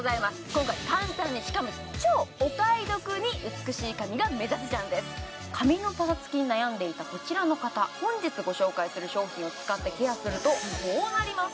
今回簡単にしかも超お買い得に美しい髪が目指せちゃうんです髪のパサつきに悩んでいたこちらの方本日ご紹介する商品を使ってケアするとこうなります！